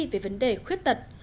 về vấn đề khuyết tật